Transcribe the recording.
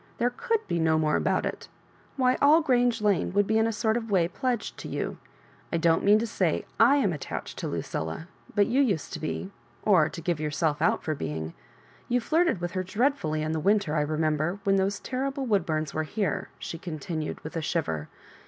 There could be no more about it Wliy, all Grange Lane would be in a sort of way pledged to you. I don't mean to say /am attached to Lucilla, but you used to be, or to give yourself out for being. You flirted with her dreadfully in the winter, I remember, when those terrible Woodbums were here," she continued, with a shiver.